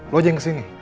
lu aja yang kesini